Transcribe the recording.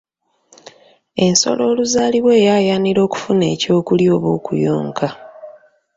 Ensolo oluzaalibwa eyaayanira okufuna eky'okulya oba okuyonka